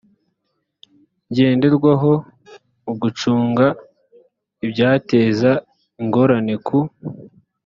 ngenderwaho mu gucunga ibyateza ingorane ku